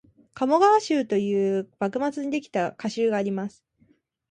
「鴨川集」という幕末にできた歌集があります